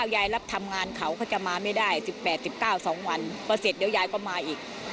ยายรับถำงานเขามาไม่ได้๑๘๑๙จังคาววันก็เสร็จอยากมาก็เขนอีก